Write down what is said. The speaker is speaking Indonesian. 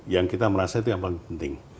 yang kita merasa itu yang paling penting